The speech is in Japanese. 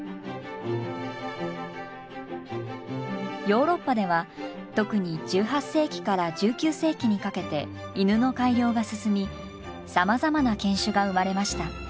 ヨーロッパでは特に１８世紀から１９世紀にかけて犬の改良が進みさまざまな犬種が生まれました。